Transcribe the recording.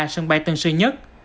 sân bay tân sư nhất